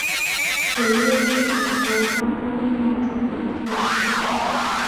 索伊恩是德国巴伐利亚州的一个市镇。